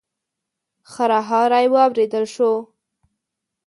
خرهاری واورېدل شو.